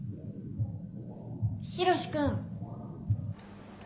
「ヒロシ君」。